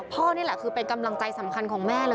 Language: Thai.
นี่แหละคือเป็นกำลังใจสำคัญของแม่เลย